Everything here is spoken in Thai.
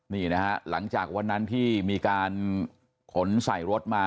นี่นะฮะหลังจากวันนั้นที่มีการขนใส่รถมา